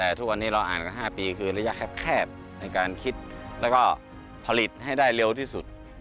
แต่ทุกวันนี้เราอ่านกัน๕ปีคือระยะแคบในการคิดแล้วก็ผลิตให้ได้เร็วที่สุด